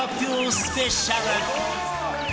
スペシャル